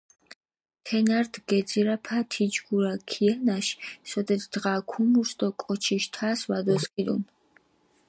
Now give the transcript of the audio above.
თენა რდჷ გეძირაფა თიჯგურა ქიანაშ, სოდეთ დღა ქუმურს დო კოჩიშ თასი ვადოსქიდუნ.